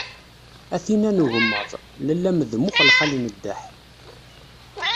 A tinn-a n ugemmaḍ, lalla-m d mm uxelxal n ddeḥ.